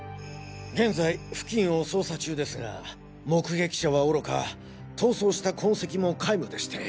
現在付近を捜査中ですが目撃者はおろか逃走した痕跡も皆無でして。